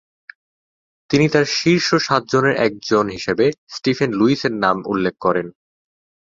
তিনি তার শীর্ষ সাত জনের একজন হিসেবে স্টিফেন লুইসের নাম উল্লেখ করেন।